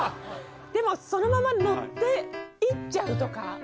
でもそのまま乗っていっちゃうとか？